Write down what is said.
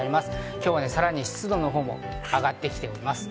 今日はさらに湿度も上がってきています。